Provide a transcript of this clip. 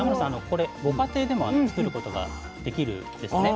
これご家庭でも作ることができるんですね。